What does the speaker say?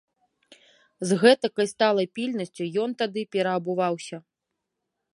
З гэтакай сталай пільнасцю ён тады пераабуваўся.